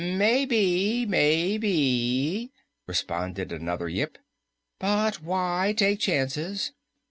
"Maybe, maybe," responded another Yip, "but why take chances?